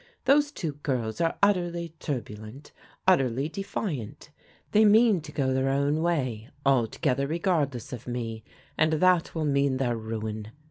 Those two girls are utterly turbulent, utterly defiant. They mean to go their own way altogether re gardless of me, and that will mean their ruin.